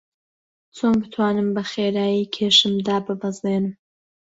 چۆن بتوانم بەخێرایی کێشم داببەزێنم؟